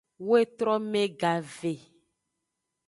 Wetrome gave.